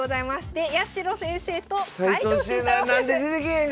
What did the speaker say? で八代先生と斎藤慎太郎先生。